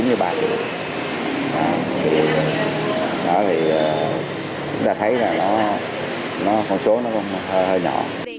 nó thì chúng ta thấy là con số nó hơi nhỏ